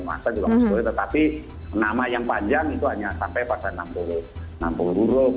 masa juga masih boleh tetapi nama yang panjang itu hanya sampai pada enam puluh huruf